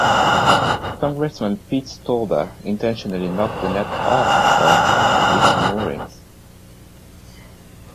Congressman Pete Stauber intentionally knocked the net off of its moorings.